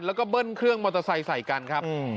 แล้วก็เบิ้ลเครื่องมอเตอร์ไซค์ใส่กันครับ